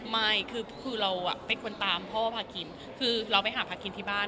ไม่คือคือเราอ่ะไม่ควรตามพ่อภาคินคือเราไปหาภาคินที่บ้าน